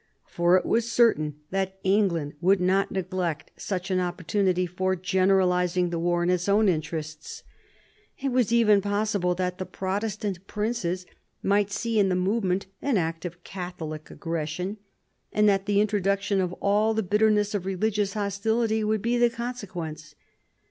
For it was certain that England would not neglect such an opportunity for generalising the war in its own interests ; it was even possible that the Protestant princes might see in the movement an act of Catholic aggression, and that the introduction of all the bitterness of religious hostility would be the consequence.